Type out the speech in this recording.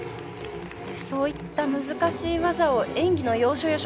そういった難しい技を演技の要所要所。